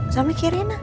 sama kiri rena